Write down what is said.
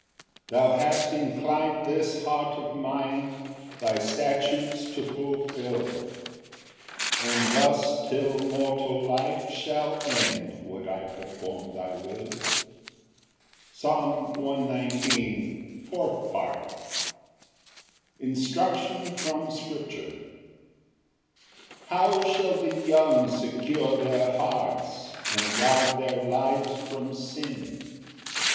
Ver. 112. 6 Thou hast inclin'd this heart of mine, Thy statutes to fulfil; And thus till mortal life shall end Would I perform thy will. Psalm 119:04. Fourth Part. Instruction from scripture. Ver. 9. 1 How shall the young secure their hearts, And guard their lives from sin?